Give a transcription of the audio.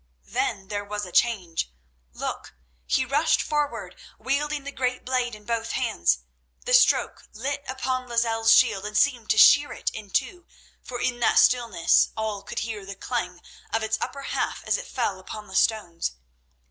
Then there was a change. Look, he rushed forward, wielding the great blade in both hands. The stroke lit upon Lozelle's shield and seemed to shear it in two, for in that stillness all could hear the clang of its upper half as it fell upon the stones.